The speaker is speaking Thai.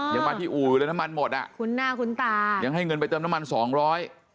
ยังมาที่อู่อยู่เลยน้ำมันหมดอ่ะคุ้นหน้าคุ้นตายังให้เงินไปเติมน้ำมันสองร้อย